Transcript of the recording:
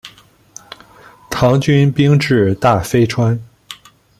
唐军兵至大非川。